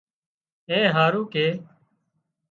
اي اين هارو ڪي